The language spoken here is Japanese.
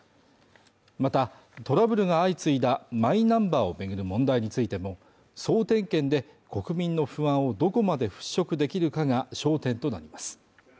またトラブルが相次いだマイナンバーをめぐる問題についても総点検で国民の不安をどこまで払拭できるかが焦点となります